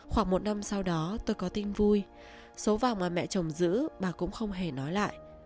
khoảng một năm sau đó tôi có tin vui số vào mà mẹ chồng giữ bà cũng không hề nói lại